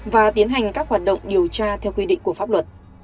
và tiến hành các hoạt động điều tra theo quy định của pháp luật